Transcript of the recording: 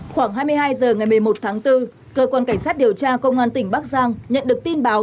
khoảng hai mươi hai h ngày một mươi một tháng bốn cơ quan cảnh sát điều tra công an tỉnh bắc giang nhận được tin báo